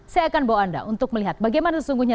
saya akan bawa anda untuk melihat bagaimana sesungguhnya